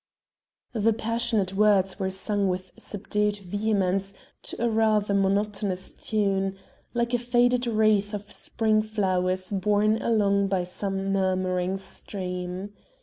The passionate words were sung with subdued vehemence to a rather monotonous tune like a faded wreath of spring flowers borne along by some murmuring stream.